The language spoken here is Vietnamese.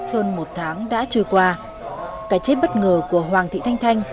hơn một tháng đã trôi qua cái chết bất ngờ của hoàng thị thanh thanh